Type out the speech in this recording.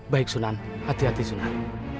baik sunan hati hati sunan